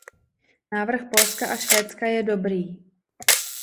Návrh Polska a Švédska je dobrý.